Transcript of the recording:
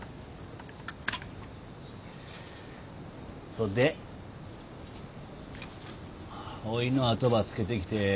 そっでおぃの後ばつけてきて何か用ね？